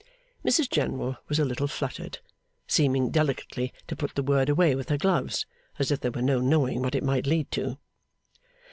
Mrs General was a little fluttered; seeming delicately to put the word away with her gloves, as if there were no knowing what it might lead to.